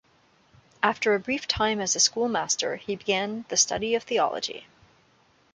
After a brief time as a school master, he began the study of theology.